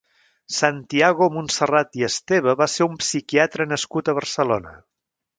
Santiago Montserrat i Esteve va ser un psiquiatre nascut a Barcelona.